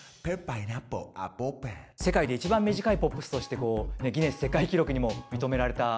世界で一番短いポップスとしてギネス世界記録にも認められたものですもんね。